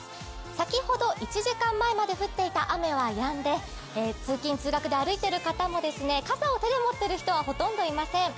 先ほど１時間前まで降っていた雨は止んで通勤・通学で歩いている方も傘を手で持っている人はほとんどいません。